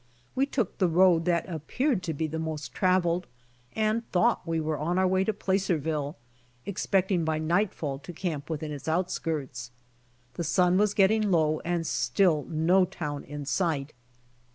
We took the road that appeared to be the most traveled, and thought we were on our way to Placerville, expecting by nightfall to camp within ats outskirts. The sun was getting low and still no town in sight.